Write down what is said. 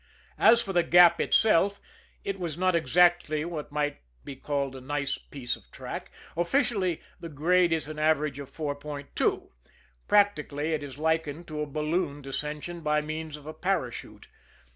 As for The Gap itself, it was not exactly what might be called a nice piece of track. Officially, the grade is an average of 4.2; practically, it is likened to a balloon descension by means of a parachute.